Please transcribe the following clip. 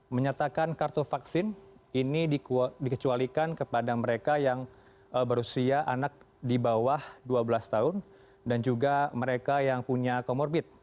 menyatakan kartu vaksin ini dikecualikan kepada mereka yang berusia anak di bawah dua belas tahun dan juga mereka yang punya comorbid